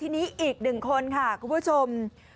ที่นี่อีก๑คนค่ะคุณผู้ชม